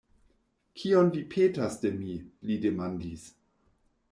Kion vi petas de mi? li demandis.